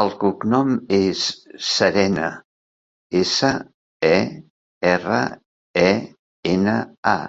El cognom és Serena: essa, e, erra, e, ena, a.